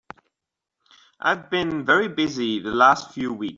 I've been very busy the last few weeks.